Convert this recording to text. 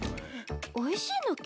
おいしいのけ？